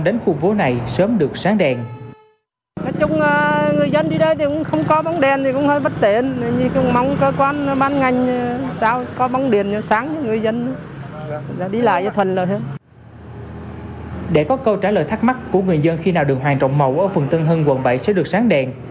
để có câu trả lời thắc mắc của người dân khi nào đường hoàng trọng mậu ở phường tân hưng quận bảy sẽ được sáng đèn